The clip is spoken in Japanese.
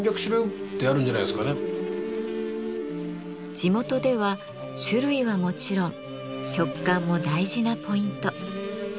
地元では種類はもちろん食感も大事なポイント。